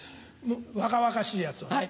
若々しいやつをね。